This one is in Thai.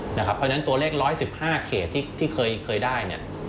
เพราะฉะนั้นตัวเลข๑๑๕เขตที่เคยได้เนี่ย